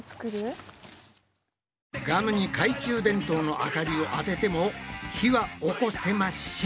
ガムに懐中電灯の明かりを当てても火はおこせましぇん！